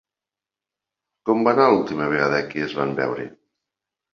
Com va anar l'última vegada que es van veure?